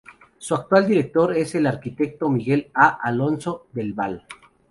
Su actual director es el arquitecto Miguel A. Alonso del Val.